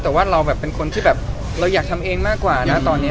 แต่ว่าเราแบบเป็นคนที่แบบเราอยากทำเองมากกว่านะตอนนี้